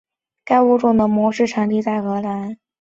该物种的模式产地在荷兰。